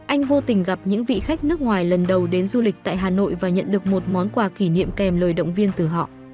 anh vô tình gặp những vị khách nước ngoài lần đầu đến du lịch tại hà nội và nhận được một món quà kỷ niệm kèm lời động viên từ họ